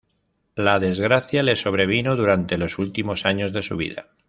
La desgracia le sobrevino durante los últimos años de su vida.